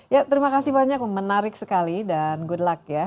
ya terima kasih banyak menarik sekali dan good luck ya